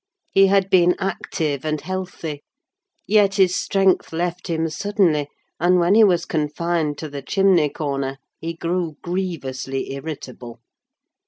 He had been active and healthy, yet his strength left him suddenly; and when he was confined to the chimney corner he grew grievously irritable.